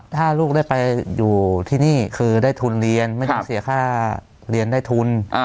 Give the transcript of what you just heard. ถ้าลูกได้ไปอยู่ที่นี่คือได้ทุนเรียนไม่ต้องเสียค่าเรียนได้ทุน